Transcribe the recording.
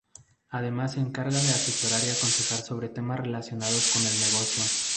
Además se encarga de asesorar y aconsejar sobre temas relacionados con el negocio.